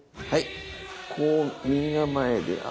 はいこう右が前で。